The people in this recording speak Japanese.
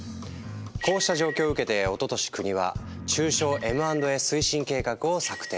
こうした状況を受けておととし国は「中小Ｍ＆Ａ推進計画」を策定。